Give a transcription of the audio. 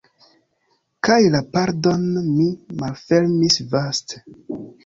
Kaj la pordon mi malfermis vaste.